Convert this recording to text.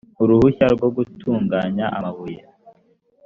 uruhushya rwo gutunganya amabuye